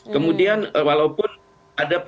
kemudian walaupun ada